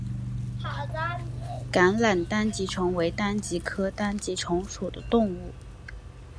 橄榄单极虫为单极科单极虫属的动物。